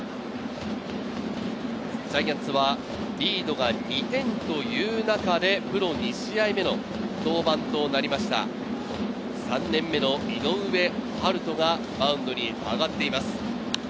ジャイアンツはリードが２点というなかで、プロ２試合目の登板となりました、３年目の井上温大がマウンドに上がっています。